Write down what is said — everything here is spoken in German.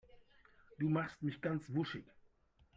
Du machst mich ganz wuschig.